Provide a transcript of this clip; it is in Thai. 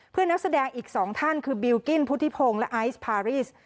นักแสดงอีก๒ท่านคือบิลกิ้นพุทธิพงศ์และไอซ์พารีส